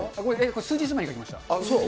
これ、数日前に描きました。